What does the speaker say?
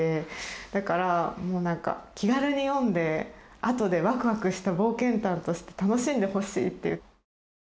だからもうなんか気軽に読んであとでワクワクした冒険譚として楽しんでほしいっていう。